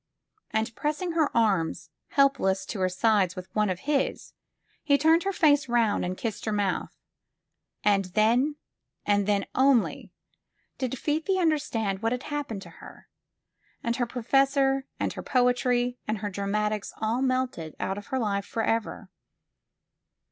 And pressing her arms helpless to her sides with one of his, he turned her face round and kissed her mouth. And then, and then only, did Fifi understand what had happened to her, and her professor and her poetry and her dramatics all melted out of her life forever.